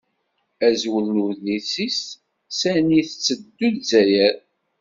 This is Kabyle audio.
Azwel n udlis-is: Sani i tetteddu Zzayer?